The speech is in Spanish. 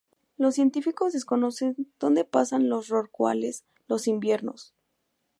Los científicos desconocen dónde pasan los rorcuales los inviernos.